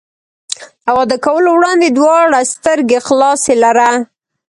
له واده کولو وړاندې دواړه سترګې خلاصې لره.